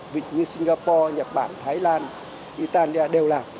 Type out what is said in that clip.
vịnh như singapore nhật bản thái lan italia đều làm